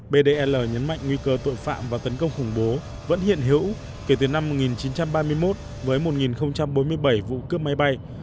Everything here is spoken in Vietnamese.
bdn nhấn mạnh nguy cơ tội phạm và tấn công khủng bố vẫn hiện hữu kể từ năm một nghìn chín trăm ba mươi một với một bốn mươi bảy vụ cướp máy bay